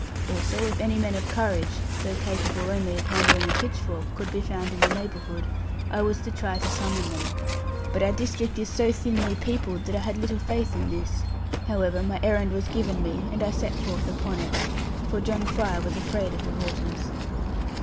Also if any men of courage, though capable only of handling a pitchfork, could be found in the neighbourhood, I was to try to summon them. But our district is so thinly peopled, that I had little faith in this; however my errand was given me, and I set forth upon it; for John Fry was afraid of the waters.